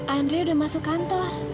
andre udah masuk kantor